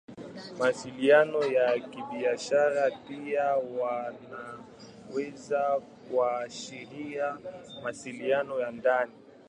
Mawasiliano ya Kibiashara pia yanaweza kuashiria mawasiliano ya ndani.